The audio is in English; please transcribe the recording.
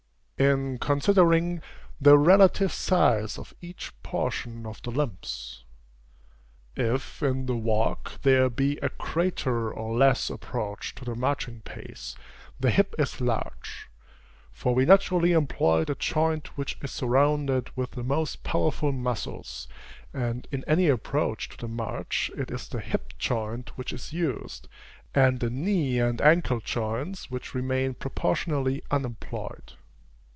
In considering the relative size of each portion of the limbs if, in the walk, there be a greater or less approach to the marching pace, the hip is large; for we naturally employ the joint which is surrounded with the most powerful muscles, and in any approach to the march, it is the hip joint which is used, and the knee and ancle joints which remain proportionally unemployed.